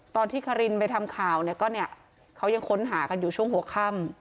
ตอนที่คารินไปทำข่าวเนี่ยก็เนี่ยเขายังค้นหากันอยู่ช่วงหัวค่ำ